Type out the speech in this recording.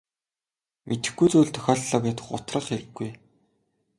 Мэдэхгүй зүйл тохиолдлоо гээд гутрах хэрэггүй.